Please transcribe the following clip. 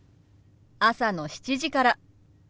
朝の７時から。